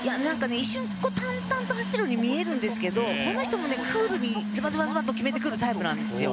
一瞬、淡々と走っているように見えるんですがこの人もクールにずばずばっと決めてくるタイプなんです。